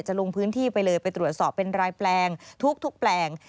ลงพื้นที่ไปเลยไปตรวจสอบเป็นรายแปลงทุกแปลง